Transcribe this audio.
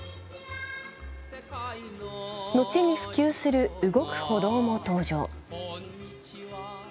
後に普及する動く歩道も登場。